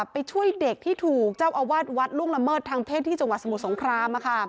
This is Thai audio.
ไปช่วยเด็กที่ถูกเจ้าอาวาสวัดล่วงละเมิดทางเพศที่จังหวัดสมุทรสงคราม